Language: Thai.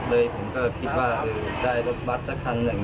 เลยผมก็คิดว่าได้รถบัตรสักคันหนึ่ง